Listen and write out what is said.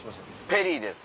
ペリーです。